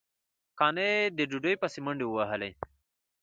قانع د ډوډۍ پسې منډې وهلې.